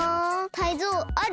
タイゾウある？